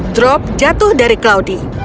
drop jatuh dari claudie